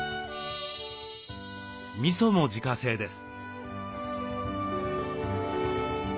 みそも自家製です。